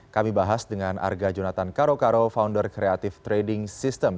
kami bahas dengan arga jonatan karokaro founder creative trading systems